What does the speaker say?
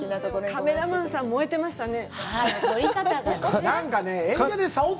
カメラマンさん、燃えてましたね。